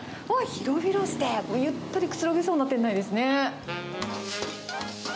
広々して、ゆったりくつろげそうな店内ですね。